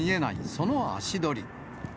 その足取り。